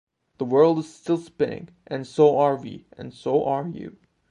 The world is still spinning and so are we and so are you.